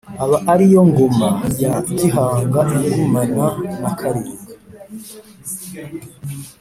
aba ariyo ngoma ya gihanga igumana na karinga,